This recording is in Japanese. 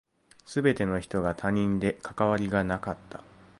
全ての人が他人で関わりがなかった。